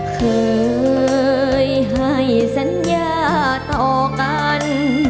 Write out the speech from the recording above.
เคยให้สัญญาต่อกัน